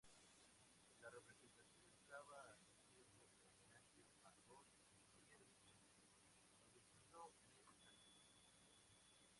La representación estaba sirviendo de homenaje a Götz Friedrich, fallecido meses antes.